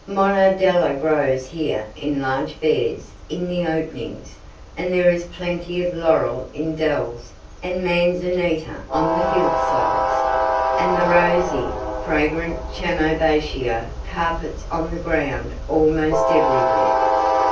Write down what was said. Monardella grows here in large beds in the openings, and there is plenty of laurel in dells and manzanita on the hillsides, and the rosy, fragrant chamoebatia carpets the ground almost everywhere.